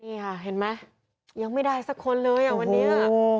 นี่ค่ะเห็นไหมยังไม่ได้สักคนเลยอ่ะวันนี้